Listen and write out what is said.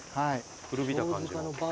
古びた感じの。